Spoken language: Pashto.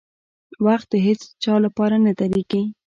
• وخت د هیڅ چا لپاره نه درېږي.